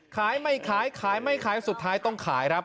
ขายไม่ขายขายไม่ขายสุดท้ายต้องขายครับ